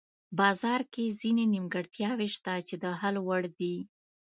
بازار کې ځینې نیمګړتیاوې شته چې د حل وړ دي.